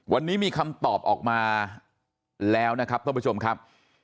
วันนี้มีคำตอบออกมาแล้วนะครับท่านผู้ชมครับ